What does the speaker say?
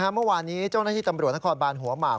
เมื่อวานนี้เจ้าหน้าที่ตำรวจนครบานหัวหมาก